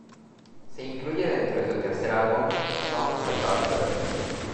Se incluye dentro de su tercer álbum Songs about girls.